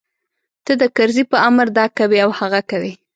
ته د کرزي په امر دا کوې او هغه کوې.